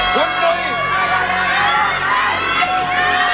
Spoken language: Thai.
คุณหนุ่ย